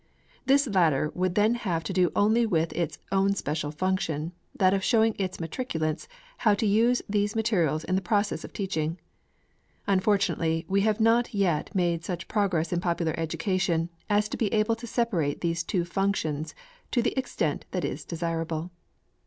This latter would then have to do only with its own special function, that of showing its matriculants how to use these materials in the process of teaching. Unfortunately, we have not yet made such progress in popular education as to be able to separate these two functions to the extent that is desirable.